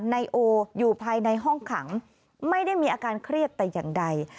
นายโออยู่ภายในห้องขังไม่ได้มีอาการเครียดแต่อย่างใด